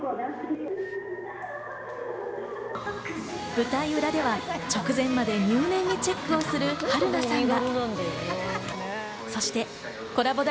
舞台裏では直前まで入念にチェックをする春菜さんが。